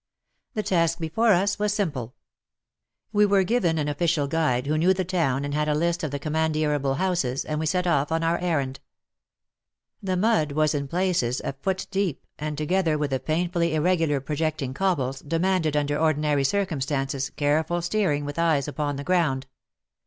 The task before us was simple. We were 104 WAR AND WOMEN given an official guide who knew the town and had a list of the commandeerable houses, and we set off on our errand. The mud was in places a foot deep, and, together with the pain fully irregularly projecting cobbles, demanded, under ordinary circumstances, careful steering with eyes upon the ground.